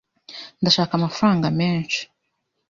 Ndashaka amafaranga menshi.